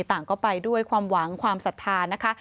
ต่างก็ไปด้วยความหวังความศรัทธานะคะ